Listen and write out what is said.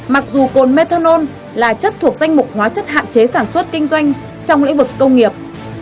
mặc dù cồn methanol là chất thuộc danh mục hóa chất hạn chế sản xuất kinh doanh trong lĩnh vực công nghiệp